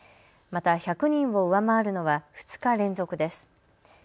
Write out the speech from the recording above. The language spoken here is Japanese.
また１００人を上回るのは２日連続です。